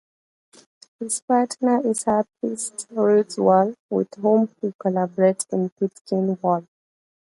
His partner is harpist Ruth Wall, with whom he collaborates in Fitkin Wall.